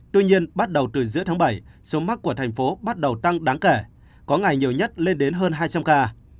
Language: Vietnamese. tuy nhiên bắt đầu từ giữa tháng bảy số mắc của thành phố bắt đầu tăng đáng kể có ngày nhiều nhất lên đến hơn hai trăm linh ca